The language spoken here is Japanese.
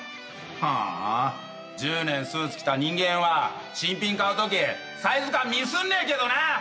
はぁ１０年スーツ着た人間は新品買うときサイズ感ミスんねえけどな！